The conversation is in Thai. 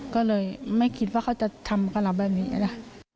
ก็เลยไม่คิดว่าเขาจะทำกับเราแบบนี้นะ